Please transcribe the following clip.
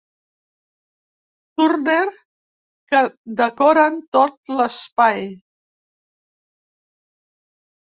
Turner que decoren tot l'espai.